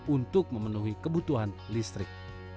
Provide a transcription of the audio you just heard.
untuk memenuhi kebutuhan listrik